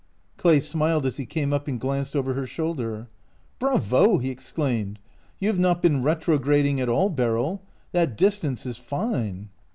Clay smiled as he came up and glanced over her shoulder. " Bravo! " he exclaime*d. " You have not been retrograding at all, Beryl. That dis tance is fine."